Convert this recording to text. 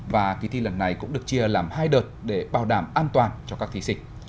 và kỳ thi lần này cũng được chia làm hai đợt để bảo đảm an toàn cho các thí sinh